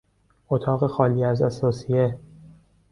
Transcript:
اتاق خالی از اثاثیه